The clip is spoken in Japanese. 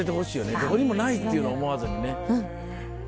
どこにもないっていうのを思わずにね。